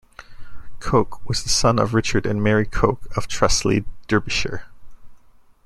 Coke was the son of Richard and Mary Coke of Trusley, Derbyshire.